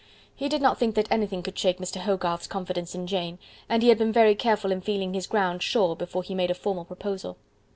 He did not think that anything could shake Mr. Hogarth's confidence in Jane, and he had been very careful in feeling his ground sure before he made a formal proposal.